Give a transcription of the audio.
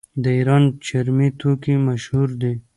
د ایران چرمي توکي مشهور دي.